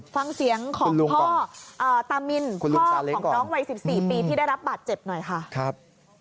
ฟังเสียงของพ่อตามินพ่อของน้องวัย๑๔ปีที่ได้รับบาดเจ็บหน่อยค่ะคุณลุงตาเล้งก่อนครับ